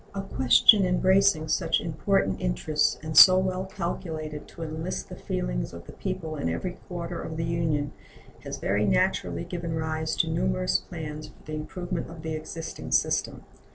A question embracing such important interests and so well calculated to enlist the feelings of the people in every quarter of the Union has very naturally given rise to numerous plans for the improvement of the existing system.